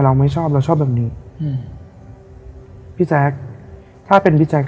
ไม่ชอบเราชอบแบบนี้อืมพี่แจ๊คถ้าเป็นพี่แจ๊ค